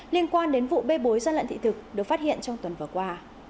liên quan đến vụ bê bối dân lận thị thực được phát hiện trong tuần vừa qua